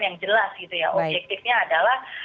yang jelas gitu ya objektifnya adalah